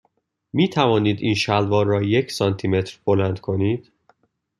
می توانید این شلوار را یک سانتی متر بلند کنید؟